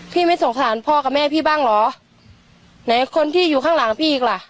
ไม่สงสารพ่อกับแม่พี่บ้างเหรอไหนคนที่อยู่ข้างหลังพี่อีกล่ะ